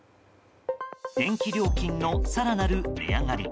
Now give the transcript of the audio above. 電気料金の更なる値上がり。